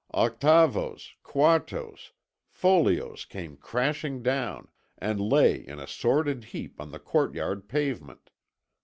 Octavos, quartos, folios came crashing down, and lay in a sordid heap on the courtyard pavement.